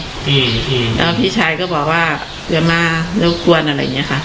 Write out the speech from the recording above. อืมอืมแล้วพี่ชายก็บอกว่าเดี๋ยวมาเล่าบ้วนอะไรเนี้ยค่ะ